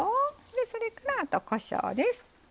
それからこしょうです。